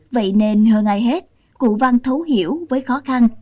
vậy nên hơn ai hết cụ văn thấu hiểu với khó khăn